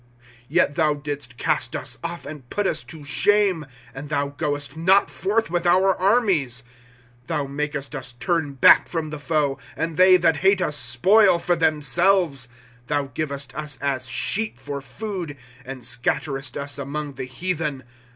^ Tet thou didst east us off, and put us to shame ; And thou goest not forth with our armies, ^^ Thou makest us turn back from the foe, And they that hate us spoil for themselves. ^' Thou givest us as sheep for food, And scatterest us among the heathen.